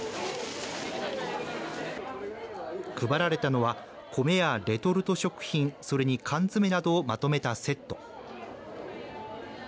配られたのは、米やレトルト食品それに缶詰などをまとめたセット。